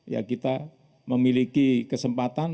ya kita memiliki kesempatan